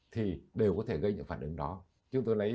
thì đều có thể gây những phản ứng đó